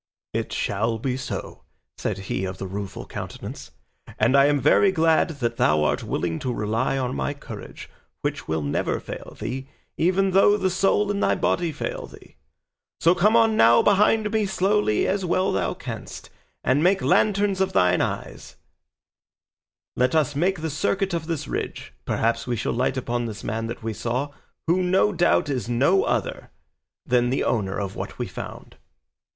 "It shall be so," said he of the Rueful Countenance, "and I am very glad that thou art willing to rely on my courage, which will never fail thee, even though the soul in thy body fail thee; so come on now behind me slowly as well as thou canst, and make lanterns of thine eyes; let us make the circuit of this ridge; perhaps we shall light upon this man that we saw, who no doubt is no other than the owner of what we found."